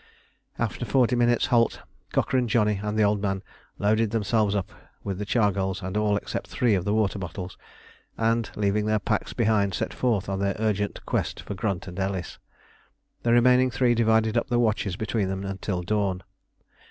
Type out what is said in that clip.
After forty minutes' halt, Cochrane, Johnny, and the Old Man loaded themselves up with the chargals and all except three of the water bottles, and leaving their packs behind set forth on their urgent quest for Grunt and Ellis. The remaining three divided up the watches between them until dawn.